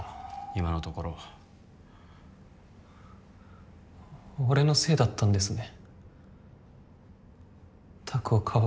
今のところ俺のせいだったんですね